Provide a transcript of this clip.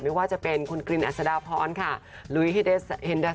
ไม่ว่าจะเป็นคุณกลินอัซดาพร้อนค่ะลุยฮิเดศเฮนเณร